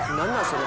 それ。